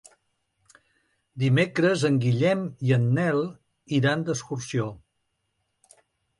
Dimecres en Guillem i en Nel iran d'excursió.